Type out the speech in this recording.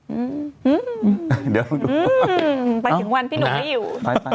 อื้อไปถึงวันพี่หนุ่มไม่อยู่ไป